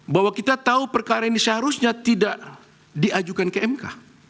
bahwa kita tahu perkara ini seharusnya tidak diajukan ke mk